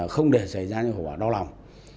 không để xảy ra những hậu quả đau lòng